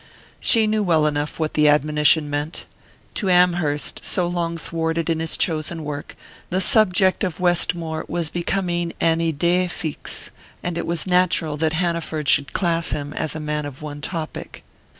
She knew well enough what the admonition meant. To Amherst, so long thwarted in his chosen work, the subject of Westmore was becoming an idée fixe; and it was natural that Hanaford should class him as a man of one topic.